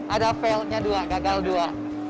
ada failnya dua gagal dua